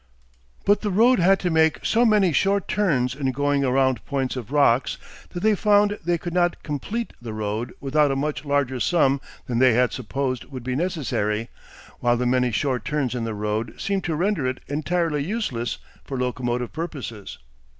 But the road had to make so many short turns in going around points of rocks that they found they could not complete the road without a much larger sum than they had supposed would be necessary; while the many short turns in the road seemed to render it entirely useless for locomotive purposes.